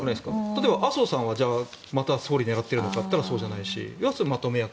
例えば麻生さんはまた総理を狙っているかと言ったらそうじゃないしまとめ役。